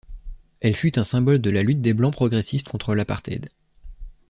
Elle fut un symbole de la lutte des Blancs progressistes contre l'apartheid.